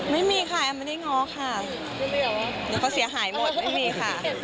เดี๋ยวเขาเสียหายหมดไม่มีค่ะ